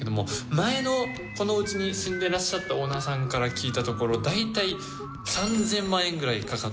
前のこの家に住んでいらっしゃったオーナーさんから聞いたところ大体３０００万円ぐらいかかったらしいです